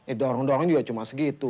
eh dorong dorongnya juga cuma segitu